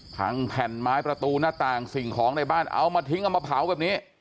แผ่นไม้ประตูหน้าต่างสิ่งของในบ้านเอามาทิ้งเอามาเผาแบบนี้